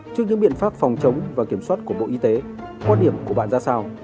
trước những biện pháp phòng chống và kiểm soát của bộ y tế quan điểm của bạn ra sao